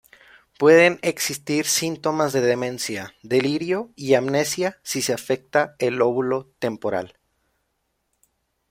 Pueden existir síntomas de demencia, delirio y amnesia si se afecta el lóbulo temporal.